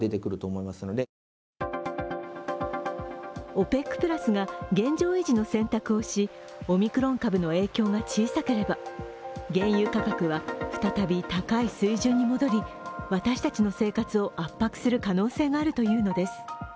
ＯＰＥＣプラスが現状維持の選択をしオミクロン株の影響が小さければ原油価格は再び高い水準に戻り私たちの生活を圧迫する可能性があるというのです。